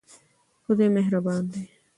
خدای مهربان دی.